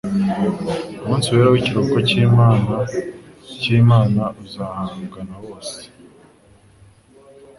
umunsi wera w’ikiruhuko cy’Imana cy’Imana uzubahwa na bose.